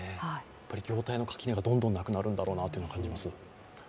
業態の垣根がどんどんなくなるんだろうなと感じます。